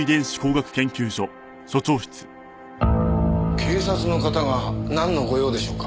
警察の方がなんのご用でしょうか？